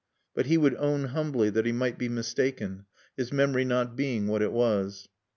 But he would own humbly that he might be mistaken, his memory not being what it was.